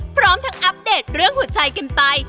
พร้อมทั้งอัปเดตเรื่องหัวใจกันไป